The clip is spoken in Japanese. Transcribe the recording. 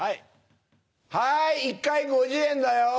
はい１回５０円だよ。